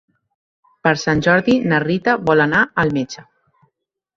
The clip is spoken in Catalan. Per Sant Jordi na Rita vol anar al metge.